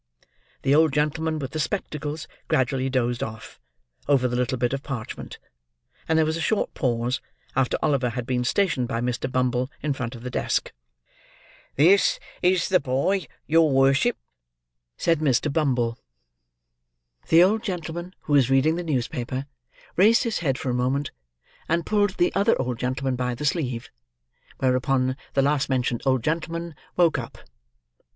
The old gentleman with the spectacles gradually dozed off, over the little bit of parchment; and there was a short pause, after Oliver had been stationed by Mr. Bumble in front of the desk. "This is the boy, your worship," said Mr. Bumble. The old gentleman who was reading the newspaper raised his head for a moment, and pulled the other old gentleman by the sleeve; whereupon, the last mentioned old gentleman woke up.